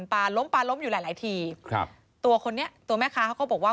ปลาล้มปลาล้มอยู่หลายหลายทีครับตัวคนนี้ตัวแม่ค้าเขาก็บอกว่า